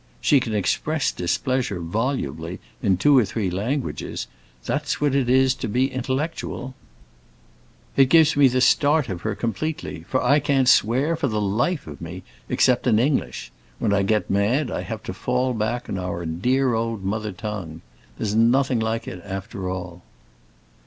She can express displeasure, volubly, in two or three languages; that's what it is to be intellectual. It gives her the start of me completely, for I can't swear, for the life of me, except in English. When I get mad I have to fall back on our dear old mother tongue. There's nothing like it, after all."